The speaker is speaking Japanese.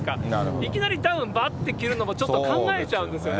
いきなりダウンばーって着るのもちょっと考えちゃうんですよね。